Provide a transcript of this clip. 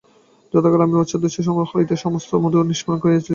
যথাকালে আমি পশ্চাদ্দেশ হইতে সমস্ত মধু নিষ্পীড়ন করিয়া লইতেছি।